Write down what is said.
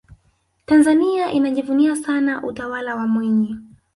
tanzania inajivunia sana utawala wa mwinyi